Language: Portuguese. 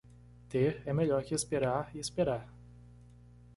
Ter é melhor que esperar e esperar.